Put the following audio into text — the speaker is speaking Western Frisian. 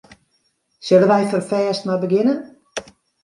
Sille wy ferfêst mar begjinne?